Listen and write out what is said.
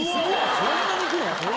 そんなに行くの？